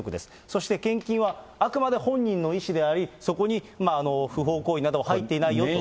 そして献金は、あくまで本人の意思であり、そこに不法行為などは入っていないよと。